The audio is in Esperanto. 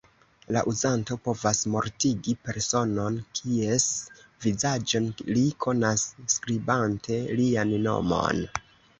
La uzanto povas mortigi personon, kies vizaĝon li konas, skribante lian nomon.